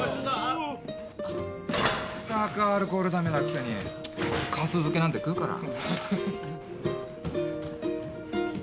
ったくアルコール駄目なくせにかす漬けなんて食うから。